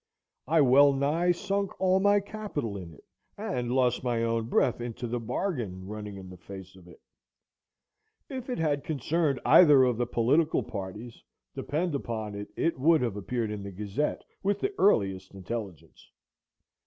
I well nigh sunk all my capital in it, and lost my own breath into the bargain, running in the face of it. If it had concerned either of the political parties, depend upon it, it would have appeared in the Gazette with the earliest intelligence.